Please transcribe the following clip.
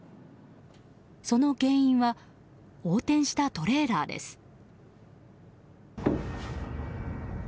その原因は横転したトレーラーです。